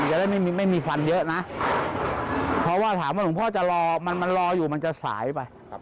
อีกแล้วไม่มีฟันเยอะนะเพราะว่าถามว่าหลุงพ่อจะรอมันรออยู่มันจะสายไป